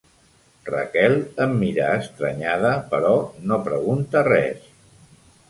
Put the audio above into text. Raquel em mira estranyada, però no pregunta res.